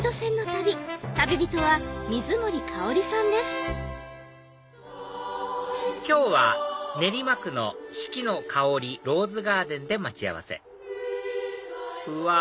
そして、今日は練馬区の四季の香ローズガーデンで待ち合わせうわ